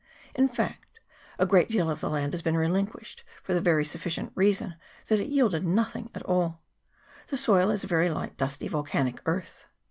In fact, a great deal of the land has been relinquished, for the very sufficient 248 VARIETIES OF SOIL. [PART II. reason that it yielded nothing at all. The soil is a very light dusty volcanic earth.